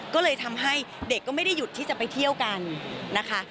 ก็เลยทำให้เด็กก็ไม่ได้หยุดที่จะไปเที่ยวกันนะคะ